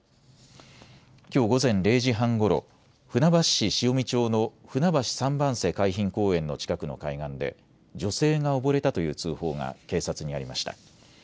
きょう午前０時半ごろ、船橋市潮見町のふなばし三番瀬海浜公園の近くの海岸で女性が溺れたという通報が警察にありました。